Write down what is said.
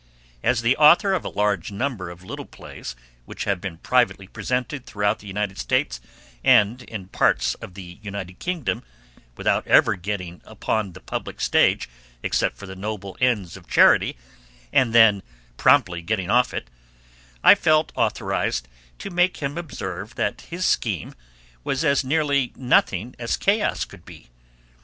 As the author of a large number of little plays which have been privately presented throughout the United States and in parts of the United Kingdom, without ever getting upon the public stage except for the noble ends of charity, and then promptly getting off it, I felt authorized to make him observe that his scheme was as nearly nothing as chaos could be.